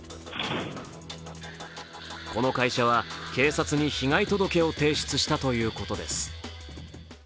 この会社は警察に被害届を提出したということです。